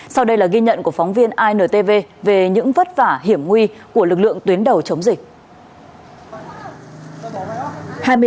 sau đây là ghi nhận của phóng viên intv về những vất vả hiểm nguy của lực lượng tuyến đầu chống dịch